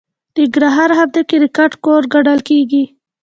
ننګرهار هم د کرکټ کور ګڼل کیږي.